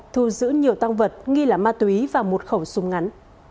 thu giữ nhiều tăng vật nghi là ma túy và một khẩu súng ngắn